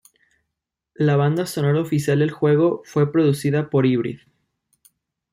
La banda sonora oficial del juego fue producida por Hybrid.